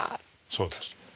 そうです。